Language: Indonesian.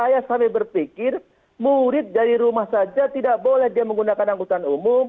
saya sampai berpikir murid dari rumah saja tidak boleh dia menggunakan angkutan umum